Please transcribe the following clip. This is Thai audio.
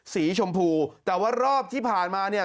สีชมพูแต่ว่ารอบที่ผ่านมาเนี่ย